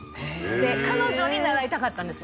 「彼女に習いたかったんですよ」